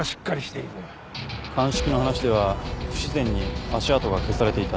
鑑識の話では不自然に足跡が消されていた。